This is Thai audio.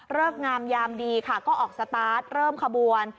เริ่มงามยามดีก็ออกสตาร์ทเริ่มขบวน